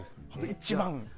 一番。